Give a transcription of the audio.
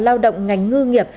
lao động ngành ngư nghiệp